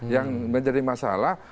yang menjadi masalah